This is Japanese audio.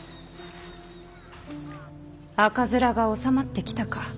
赤面が収まってきたか。